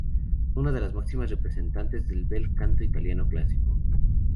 Fue una de la máximas representantes del bel canto italiano clásico.